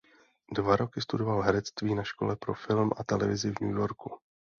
Dva roky studoval herectví na škole pro film a televizi v New Yorku.